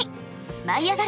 「舞いあがれ！」